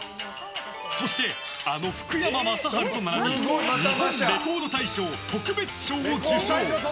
そして、あの福山雅治と並び日本レコード大賞特別賞を受賞。